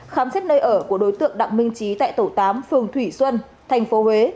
khám xét nơi ở của đối tượng đặng minh trí tại tổ tám phường thủy xuân tp huế